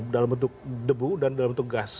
dalam bentuk debu dan dalam bentuk gas